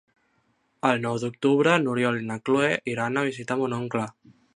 El nou d'octubre n'Oriol i na Cloè iran a visitar mon oncle.